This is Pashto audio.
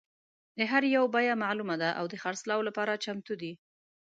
د هر یو بیه معلومه ده او د خرڅلاو لپاره چمتو دي.